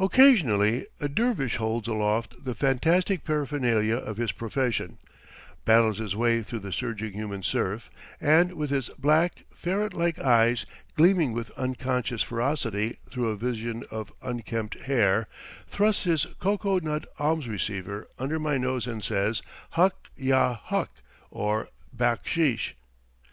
Occasionally a dervish holds aloft the fantastic paraphernalia of his profession, battles his way through the surging human surf, and with his black, ferret like eyes gleaming with unconscious ferocity through a vision of unkempt hair, thrusts his cocoa nut alms receiver under my nose and says, "Huk yah huk!" or "backsheesh!"